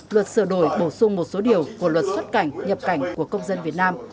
luật sửa đổi bổ sung một số điều của luật xuất cảnh nhập cảnh của công dân việt nam